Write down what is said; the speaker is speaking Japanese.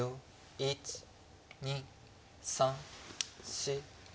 １２３４。